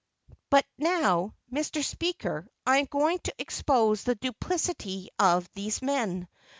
But now, Mr Speaker, I am going to expose the duplicity of these men.